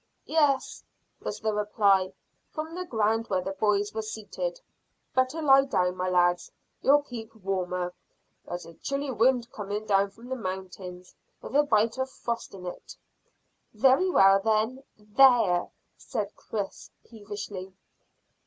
"Yes," was the reply, from the ground where the boys were seated. "Better lie down, my lads; you'll keep warmer. There's a chilly wind coming down from the mountains with a bite of frost in it." "Very well, then: there!" said Chris peevishly.